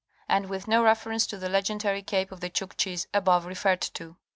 474) and with no reference to the legendary Cape of the Chukchis above referred to.